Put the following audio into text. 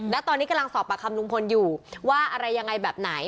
และตอนนี้กำลังสอบปากคำลุงพลอยู่ว่าอะไรยังไงแบบไหน